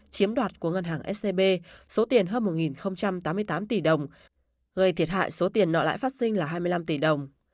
chiếm đoạt của ngân hàng scb số tiền hơn một tám mươi tám tỷ đồng gây thiệt hại số tiền nợ lãi phát sinh là hai mươi năm tỷ đồng